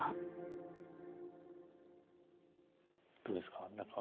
どうですか何か。